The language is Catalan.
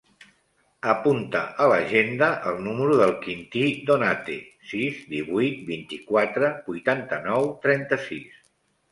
Apunta a l'agenda el número del Quintí Donate: sis, divuit, vint-i-quatre, vuitanta-nou, trenta-sis.